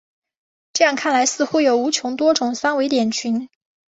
这样看来似乎有无穷多种三维点群。